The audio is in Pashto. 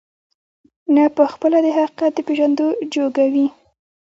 نه په خپله د حقيقت د پېژندو جوگه وي،